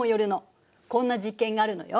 こんな実験があるのよ。